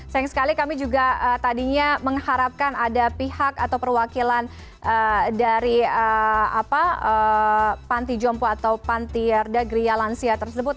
sayang sekali kami juga tadinya mengharapkan ada pihak atau perwakilan dari panti jompo atau pantiwerda grialansia tersebut